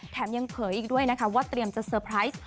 แถมยังเผยอีกด้วยนะคะว่าเตรียมจะเตอร์ไพรส์